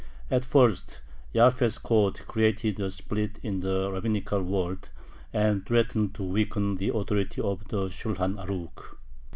At first Jaffe's code created a split in the rabbinical world, and threatened to weaken the authority of the Shulhan Arukh.